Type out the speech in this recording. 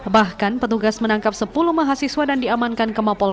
bahkan petugas menangkap sepuluh mahasiswa dan diamankan kemampol